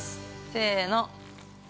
◆せの。